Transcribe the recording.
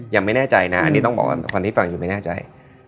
ยังไม่แน่ใจนะอันนี้ต้องบอกว่าคนที่ฟังอยู่ไม่แน่ใจ